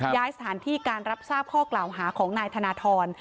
ย้ายสถานที่การรับทราบข้อกล่าวหาของนายธนทร